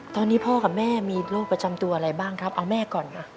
ตอนนี้พ่อกับแม่มีโรคประจำตัวอะไรบ้างครับเอาแม่ก่อนค่ะ